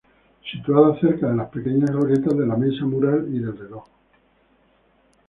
Situadas cerca de las pequeñas glorietas de la Mesa Mural y del Reloj.